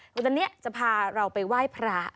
วันนี้จะพาเราไปไหว้พระ